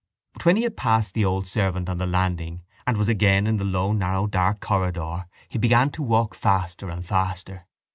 But when he had passed the old servant on the landing and was again in the low narrow dark corridor he began to walk faster and faster.